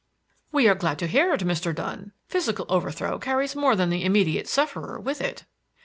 "We are glad to hear it, Mr. Dunn. Physical overthrow carries more than the immediate sufferer with it."